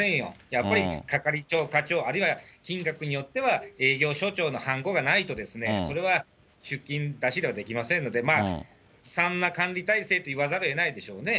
やっぱり係長、課長、あるいは金額によっては、営業所長のはんこがないと、それは出金、出し入れはできませんので、まあ、ずさんな管理体制といわざるをえないでしょうね。